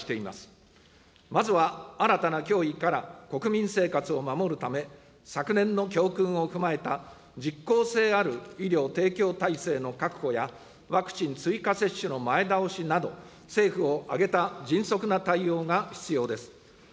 まずは新たな脅威から国民生活を守るため、昨年の教訓を踏まえた、実効性ある医療提供体制の確保やワクチン追加接種の前倒しなど、政府を挙げた迅速な対応が必要です。